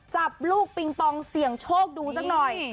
จับลูกปิงปองเสี่ยงโชคดูสักหน่อย